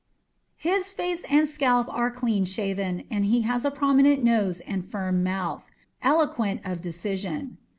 His face and scalp are clean shaven, and he has a prominent nose and firm mouth, eloquent of decision.